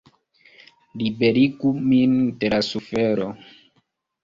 Liberigu min de la sufero!